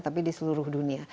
tapi di seluruh dunia